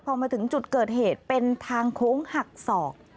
พอมาถึงจุดเกิดเหตุเป็นทางโค้งหักศอก